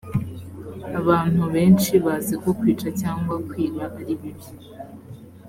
abantu benshi bazi ko kwica cyangwa kwiba ari bibi